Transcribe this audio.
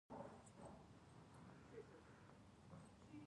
لوگر د افغانستان د جغرافیوي تنوع مثال دی.